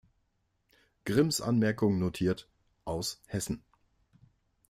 Grimms Anmerkung notiert "Aus Hessen".